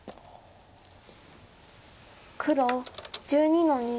黒１２の二。